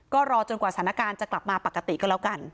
ก็รอจนกว่าสถานการณ์จะกลับมาปกติก็แล้วกัน